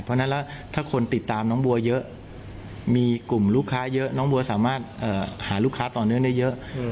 เพราะฉะนั้นแล้วถ้าคนติดตามน้องบัวเยอะมีกลุ่มลูกค้าเยอะน้องบัวสามารถหาลูกค้าต่อเนื่องได้เยอะ